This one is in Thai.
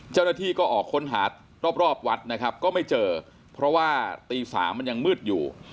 เจ้าหน้าที่ก็ออกค้นหารอบวัดนะครับก็ไม่เจอเพราะว่าตี๓มันยังมืดอยู่